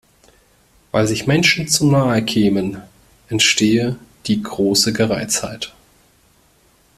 Weil sich Menschen zu nahe kämen, entstehe die „große Gereiztheit“.